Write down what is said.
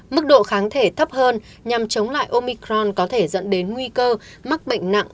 mức độ kháng thể thấp hơn nhằm chống lại omicron có thể dẫn đến nguy cơ mắc bệnh nặng